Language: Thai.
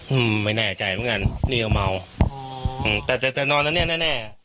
อืมไม่แน่ใจเหมือนกันนี่ก็เมาอืมแต่แต่แต่นอนแล้วเนี้ยแน่แน่